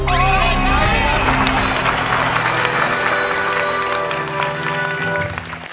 ไม่ใช้ครับ